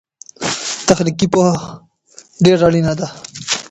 تخنيکي پوهه ډېره اړينه ده.